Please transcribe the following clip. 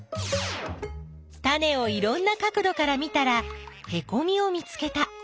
タネをいろんな角どから見たらへこみを見つけた。